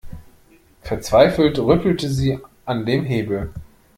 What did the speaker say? Verzweifelt rüttelte sie an dem Hebel.